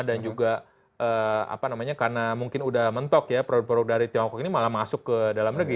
dan juga apa namanya karena mungkin udah mentok ya produk produk dari tiongkok ini malah masuk ke dalam negeri